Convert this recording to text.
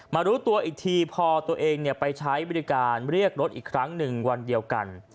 รู้ตัวอีกทีพอตัวเองไปใช้บริการเรียกรถอีกครั้งหนึ่งวันเดียวกัน